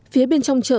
phía bên trong chợ